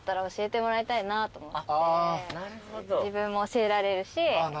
自分も教えられるし。